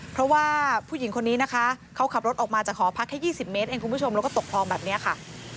เพราะว่าผู้หญิงคนนี้นะคะเขาขับรถออกมาจากหอพักแค่๒๐เมตรเองคุณผู้ชมแล้วก็ตกคลองแบบนี้ค่ะ